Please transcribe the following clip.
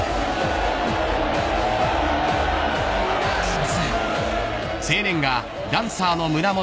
すいません。